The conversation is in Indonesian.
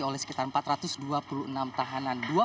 oleh sekitar empat ratus dua puluh enam tahanan